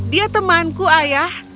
dia temanku ayah